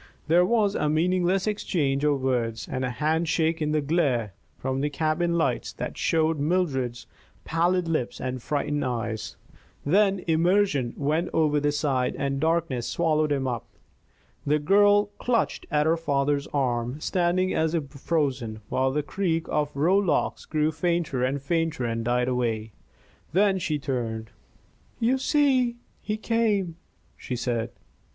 There was a meaningless exchange of words, and a handshake in the glare from the cabin lights that showed Mildred's pallid lips and frightened eyes. Then Emerson went over the side, and the darkness swallowed him up. The girl clutched at her father's arm, standing as if frozen while the creak of rowlocks grew fainter and fainter and died away. Then she turned. "You see he came!" she said.